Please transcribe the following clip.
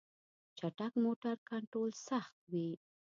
چټک موټر کنټرول سخت وي.